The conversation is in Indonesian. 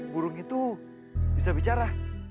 burung itu bisa bicara